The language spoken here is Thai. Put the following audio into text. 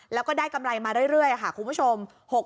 แล้วก็ได้กำไรมาเรื่อยค่ะคุณผู้ชม